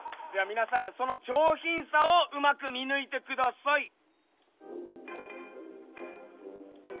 では皆さんその上品さをうまく見抜いてください。